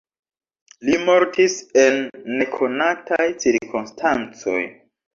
Li mortis en nekonataj cirkonstancoj.